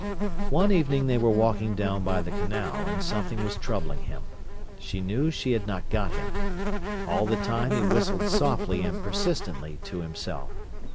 One evening they were walking down by the canal, and something was troubling him. She knew she had not got him. All the time he whistled softly and persistently to himself.